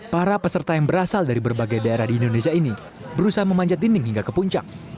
para peserta yang berasal dari berbagai daerah di indonesia ini berusaha memanjat dinding hingga ke puncak